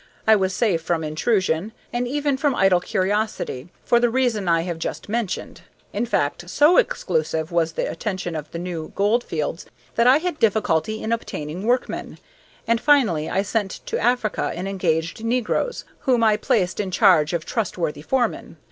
I was safe from intrusion, and even from idle curiosity, for the reason I have just mentioned. In fact, so exclusive was the attraction of the new gold fields that I had difficulty in obtaining workmen, and finally I sent to Africa and engaged negroes, whom I placed in charge of trustworthy foremen.